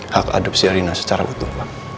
hak adonan si rina secara utuh